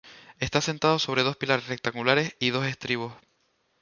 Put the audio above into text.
Está asentado sobre dos pilares rectangulares y dos estribos.